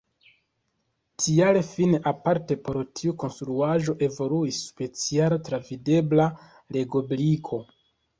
Tial fine aparte por tiu konstruaĵo evoluis speciala travidebla Lego-briko.